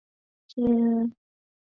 施特恩伯格宫。